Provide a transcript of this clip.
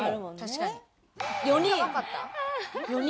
４人！